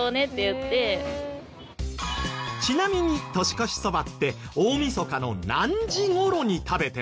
ちなみに年越しそばって大みそかの何時頃に食べてますか？